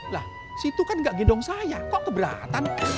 lah si itu kan gak gendong saya kok keberatan